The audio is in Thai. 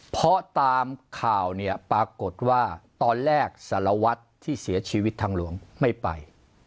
เพราะตามข่าวเนี่ยปรากฏว่าตอนแรกสารวัตรที่เสียชีวิตทางหลวงไม่ไป